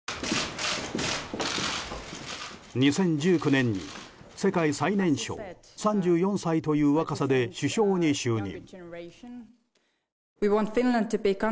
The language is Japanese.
２０１９年に世界最年少３４歳という若さで首相に就任。